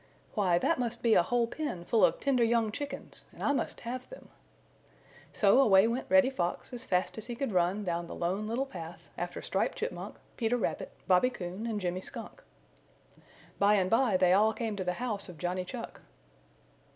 "Why, that must be a whole pen full of tender young chickens, and I must have them." So away went Reddy Fox as fast as he could run down the Lone Little Path after Striped Chipmunk, Peter Rabbit, Bobby Coon and Jimmy Skunk. By and by they all came to the house of Johnny Chuck.